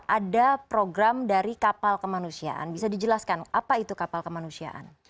ada program dari kapal kemanusiaan bisa dijelaskan apa itu kapal kemanusiaan